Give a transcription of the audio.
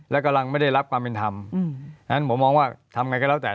และกำลังไม่ได้รับความเป็นธรรมงั้นผมมองว่าทำไงก็แล้วแต่